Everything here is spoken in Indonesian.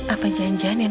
apa jalan jalan yang